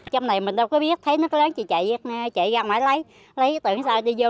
trong này mình đâu có biết thấy nước lớn thì chạy ra ngoài lấy lấy tưởng sao đi vô